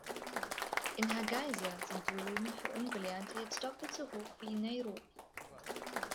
In Hargeisa sind Löhne für Ungelernte jetzt doppelt so hoch wie in Nairobi.